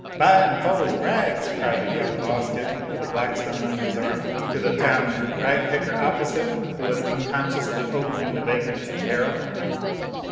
"Buy 'im foh 'is rags!" cried a young law student, with a Blackstone under his arm, to the town rag picker opposite, who was unconsciously ogling the vagrant's apparel.